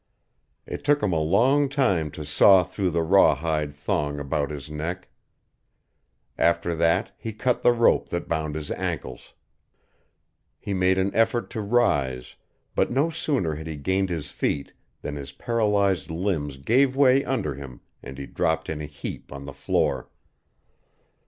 It took him a long time to saw through the rawhide thong about his neck. After that he cut the rope that bound his ankles. He made an effort to rise, but no sooner had he gained his feet than his paralyzed limbs gave way under him and he dropped in a heap on the floor.